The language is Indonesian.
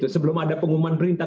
sebelum ada pengumuman perintah